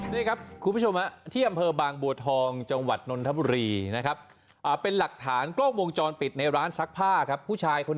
นี่ครับคุณผู้ชมที่อำเภอบางบัวทองจังหวัดนนทบุรีนะครับเป็นหลักฐานกล้องวงจรปิดในร้านซักผ้าครับผู้ชายคน